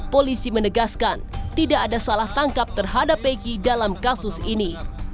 polisi menegaskan tidak ada salah tangkap terhadap egy dalam kasus ini